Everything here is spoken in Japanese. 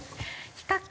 比較。